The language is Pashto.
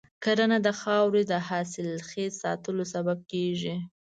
کرنه د خاورې د حاصلخیز ساتلو سبب کېږي.